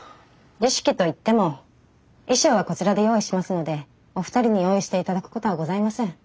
儀式といっても衣装はこちらで用意しますのでお二人に用意して頂くことはございません。